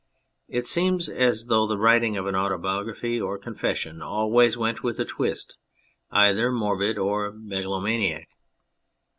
It seems as though the writing of an autobiography or confession always went with a twist, either morbid or megalomaniac.